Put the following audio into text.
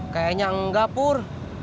kayaknya enggak pur